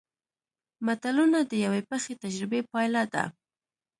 متلونه د یوې پخې تجربې پایله ده